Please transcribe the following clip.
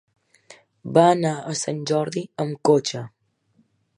Va anar a Sant Jordi amb cotxe.